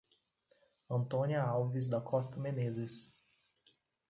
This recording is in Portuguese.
Antônia Alves da Costa Menezes